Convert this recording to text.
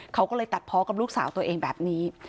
เขาก็เลยตัดเพาะกับลูกสาวตัวเองแบบนี้